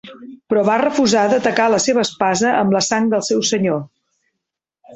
Però va refusar de tacar la seva espasa amb la sang del seu senyor.